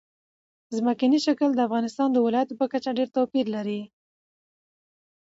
ځمکنی شکل د افغانستان د ولایاتو په کچه ډېر توپیر لري.